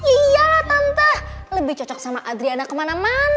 iya tante lebih cocok sama adriana kemana mana